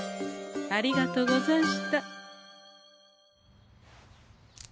ありがとうござんした。